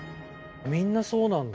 みんなそうなんだ。